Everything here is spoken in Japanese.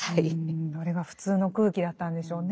それが普通の空気だったんでしょうね。